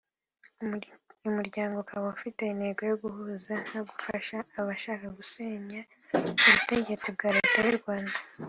uyu muryango ukaba ufite intego yo guhuza no gufasha abashaka gusenya ubutegetsi bwa Leta y’u Rwanda